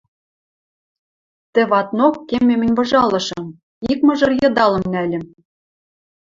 Тӹ ваднок кемем мӹнь выжалышым, ик мыжыр йыдалым нальӹм